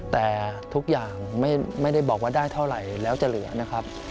แต่ทุกอย่างไม่ได้บอกว่าได้เท่าไหร่แล้วจะเหลือนะครับ